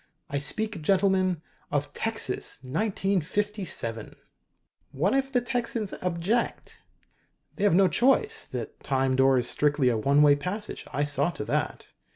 "I speak, gentlemen, of Texas, 1957!" "What if the Texans object?" "They have no choice. The Time Door is strictly a one way passage. I saw to that.